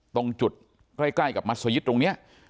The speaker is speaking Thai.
ตรงจุดใกล้กับมัสอยิฐรุงเนี้ย